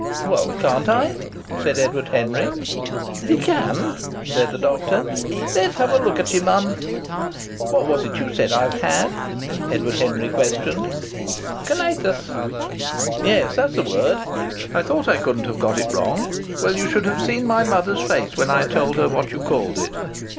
"Well, can't I?" said Edward Henry. "Ye can," said the doctor. "Let's have a look at ye, man." "What was it you said I've had?" Edward Henry questioned. "Colitis." "Yes, that's the word. I thought I couldn't have got it wrong. Well, you should have seen my mother's face when I told her what you called it.